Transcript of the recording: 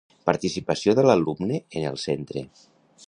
Participació de l'alumne en el centre.